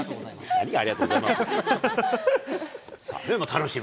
何がありがとうございますだ。